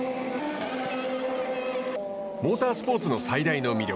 モータースポーツの最大の魅力